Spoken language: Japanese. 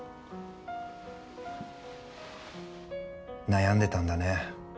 悩んでたんだね。